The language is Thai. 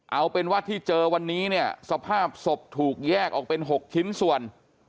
เอาเป็นว่าที่เจอวันนี้เนี่ยสภาพศพถูกแยกออกเป็น๖ชิ้นส่วน